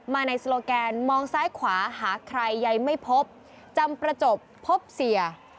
มาในโซโลแกนมองซ้ายขวาหาใครใยไม่พบจำประจบพบเสีย